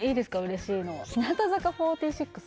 嬉しいのあ！